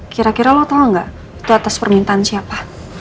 kira kira lo tau ga itu atas permintaan siapa